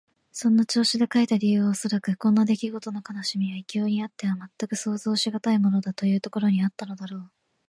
そんな調子で書いた理由はおそらく、こんなできごとの悲しみは異郷にあってはまったく想像しがたいものだ、というところにあったのであろう。